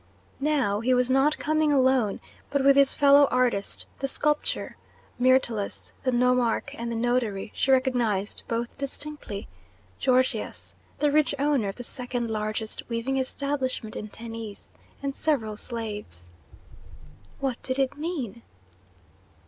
Now he was not coming alone, but with his fellow artist, the sculptor Myrtilus, the nomarch and the notary she recognised both distinctly Gorgias, the rich owner of the second largest weaving establishment in Tennis, and several slaves. What did it mean?